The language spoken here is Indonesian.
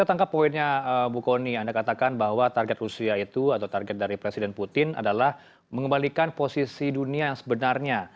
saya tangkap poinnya bu kony anda katakan bahwa target rusia itu atau target dari presiden putin adalah mengembalikan posisi dunia yang sebenarnya